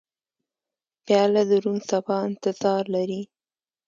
پیاله د روڼ سبا انتظار لري.